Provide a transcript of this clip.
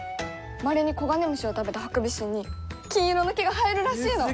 まれにコガネムシを食べたハクビシンに金色の毛が生えるらしいの！